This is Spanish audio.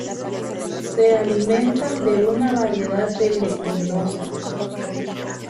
Se alimentan de una variedad de leguminosas.